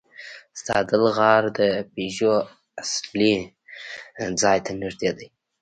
ستادل غار د پيژو اصلي ځای ته نږدې دی.